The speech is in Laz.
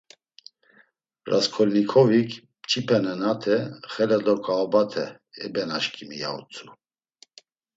Rasǩolnikovik mç̌ipe nenate Xela do ǩaobate e benaşǩimi, ya utzu.